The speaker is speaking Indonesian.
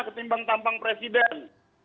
ketimbang tampang presiden